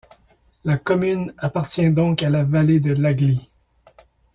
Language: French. La commune appartient donc à la vallée de l'Agly.